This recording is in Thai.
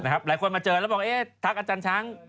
หลายคนมาเจอแล้วบอกทักอาจารย์ช้าง